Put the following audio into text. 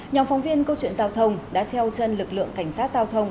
nhóm phóng viên câu chuyện giao thông đã theo chân lực lượng cảnh sát giao thông